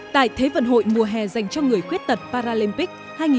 tại thế vận hội mùa hè dành cho người khuyết tật paralympic hai nghìn một mươi chín